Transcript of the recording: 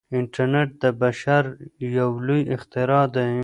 انټرنیټ د بشر یو لوی اختراع دی.